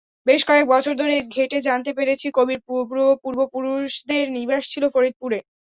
বেশ কয়েক বছর ধরে ঘেঁটে জানতে পেরেছি, কবির পূর্বপুরুষদের নিবাস ছিল ফরিদপুরে।